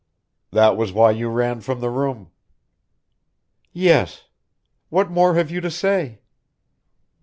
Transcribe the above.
"That was why you ran from the room." "Yes; what more have you to say?"